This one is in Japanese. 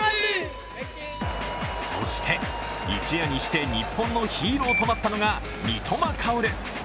そして、一夜にして日本のヒーローとなったのが三笘薫。